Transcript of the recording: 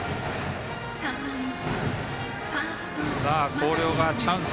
広陵がチャンス。